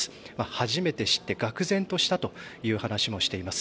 初めて知ってがくぜんとしたという話もしています。